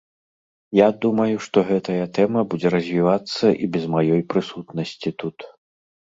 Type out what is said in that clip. Я думаю, што гэтая тэма будзе развівацца і без маёй прысутнасці тут.